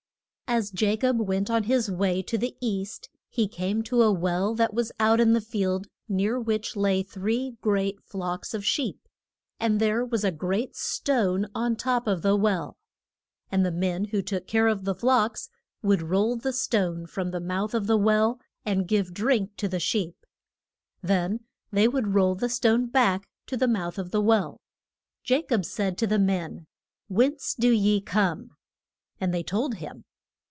AS Ja cob went on his way to the East he came to a well that was out in the field, near which lay three great flocks of sheep. And there was a great stone on top of the well. And the men who took care of the flocks would roll the stone from the mouth of the well, and give drink to the sheep. Then they would roll the stone back to the mouth of the well. Ja cob said to the men, Whence do ye come? And they told him.